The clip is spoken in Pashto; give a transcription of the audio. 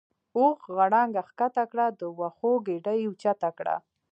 اوښ غړانګه کښته کړه د وښو ګیډۍ یې اوچته کړه.